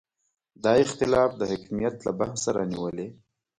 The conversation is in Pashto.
دا اختلاف د حکمیت له بحثه رانیولې.